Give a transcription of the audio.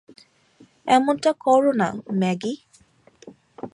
এমনটা কোরো না, ম্যাগি!